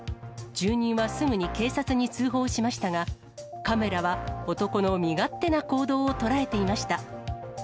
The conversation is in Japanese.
住人はすぐに警察に通報しましたが、カメラは男の身勝手な行動を捉えていました。